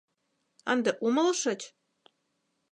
Ынде умылышыч?